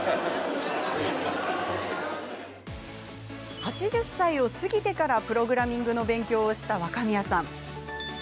８０歳を過ぎてからプログラミングの勉強をした若宮さん。